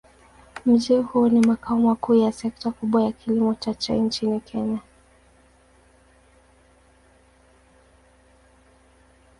Mji huu ni makao makuu ya sekta kubwa ya kilimo cha chai nchini Kenya.